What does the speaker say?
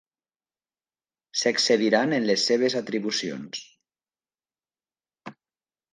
S'excediran en les seves atribucions.